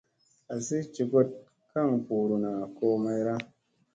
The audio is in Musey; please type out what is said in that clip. Asi njogoɗ ga ɓuruna ko mayra.